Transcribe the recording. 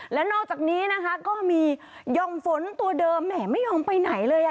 และนอกจากนี้นะคะก็มีย่อมฝนตัวเดิมแหมไม่ยอมไปไหนเลย